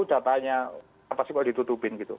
datanya apa sih kalau ditutupin gitu